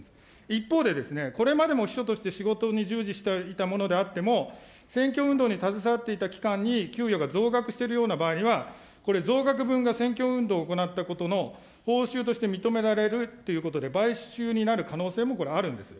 一方でですね、これまでも秘書として仕事に従事していた者であっても、選挙運動に携わっていた期間に給与が増額してるような場合には、これ、増額分が選挙運動を行ったことの報酬として認められるということで、買収になる可能性もこれ、あるんです。